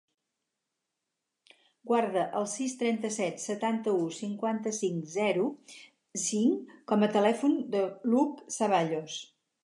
Guarda el sis, trenta-set, setanta-u, cinquanta-cinc, zero, cinc com a telèfon de l'Hug Zaballos.